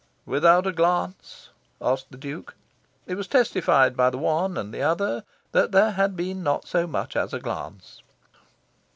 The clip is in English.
"Without a glance?" asked the Duke. It was testified by the one and the other that there had been not so much as a glance.